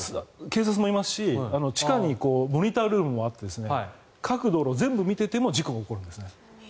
警察もいますし地下にモニタールームもあって各道路、全部見ていても事故が起こるんですね。